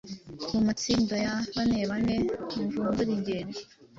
Mu matsinda ya banebane muvumbure ingingo